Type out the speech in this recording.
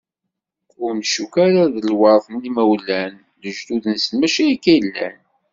Ur ncuk ara d lwert n yimawlan, lejdud-nsen mačči akka i llan.